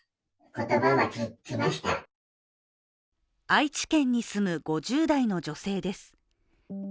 愛知県に住む５０代の女性です。